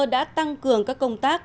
đã tăng cường các công tác